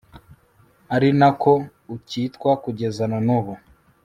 ari na ko ukitwa kugeza na n'ubu